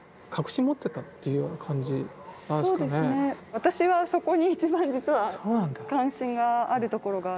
私はそこに一番実は関心があるところがある。